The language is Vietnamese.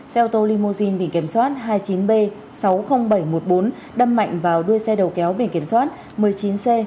xe ô tô limousine bình kiểm soát hai mươi chín b sáu mươi nghìn bảy trăm một mươi bốn đâm mạnh vào đuôi xe đầu kéo bình kiểm soát một mươi chín c chín nghìn năm trăm một mươi sáu